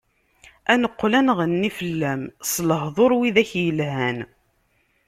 Ad neqqel ad nɣenni fell-am, s lehduṛ wid-ak yelhan.